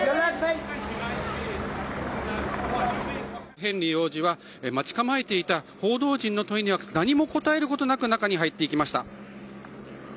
ヘンリー王子は待ち構えていた報道陣の問いには何も答えることなく中に入っていきました。